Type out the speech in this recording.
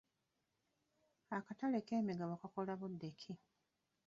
Akatale k'emigabo kakola budde ki?